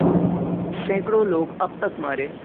سینکڑوں لوگ اب تک مارے